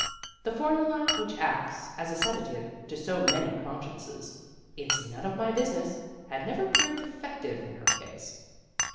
The formula which acts as a sedative to so many consciences, "It's none of my business, " had never proved effective in her case.